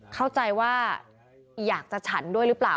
เข้าใจว่าอยากจะฉันด้วยหรือเปล่า